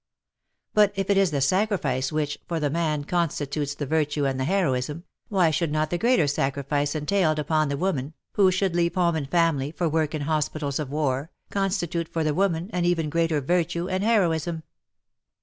But if it is the sacrifice which, for the man, constitutes the virtue and the heroism, why should not the greater sacrifice entailed upon the woman, who should leave home and family for work in hospitals of war, constitute, for the woman, an even greater virtue and heroism